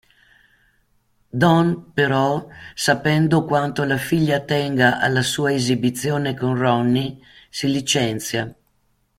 Don, però, sapendo quanto la figlia tenga alla sua esibizione con Ronnie, si licenzia.